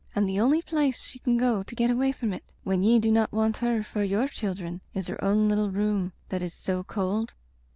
And the only place she can go to get away from it when ye do not want her for your children is her own little room that is so cold.